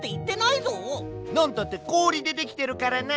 なんたってこおりでできてるからな！